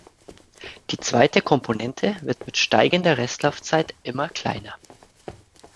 Diese zweite Komponente wird mit steigender Restlaufzeit immer kleiner.